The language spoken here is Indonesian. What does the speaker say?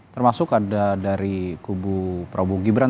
termasuk ada dari kubu prabowo gibran